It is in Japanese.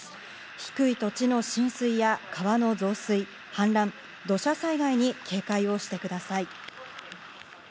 低い土地の浸水や川の増水、はん濫、土砂災害に警戒をしてください。